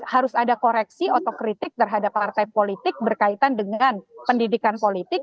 harus ada koreksi otokritik terhadap partai politik berkaitan dengan pendidikan politik